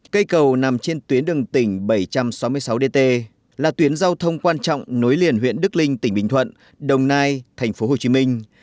cây cầu nằm trên tuyến đường tỉnh bảy trăm sáu mươi sáu dt là tuyến giao thông quan trọng nối liền huyện đức linh tỉnh bình thuận đồng nai tp hcm